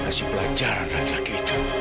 kasih pelajaran lagi lagi